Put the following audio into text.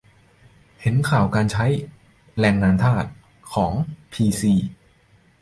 เห็นข่าวการใช้ "แรงงานทาส" ของพีซี